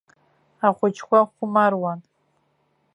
Ахәыҷқәа хәмаруан.